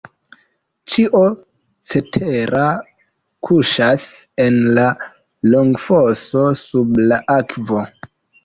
Ĉio cetera kuŝas en la longfoso sub la akvo.